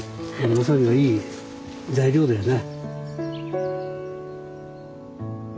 わさびはいい材料だよな。